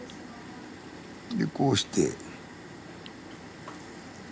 でこうして。